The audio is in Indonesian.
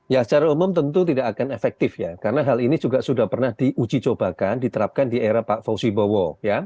ya secara umum tentu tidak akan efektif ya karena hal ini juga sudah pernah diuji cobakan diterapkan di era pak fauzi bowo